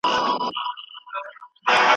نه دي زور نه دي دولت سي خلاصولای